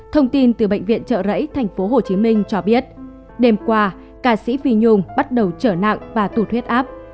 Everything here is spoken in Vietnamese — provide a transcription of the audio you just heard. thông tin từ bệnh viện trợ rẫy tp hcm cho biết đêm qua ca sĩ phi nhung bắt đầu trở nặng và tụt huyết áp